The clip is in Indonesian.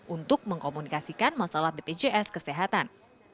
untuk mengkomunikasikan masalah bpjs kesehatan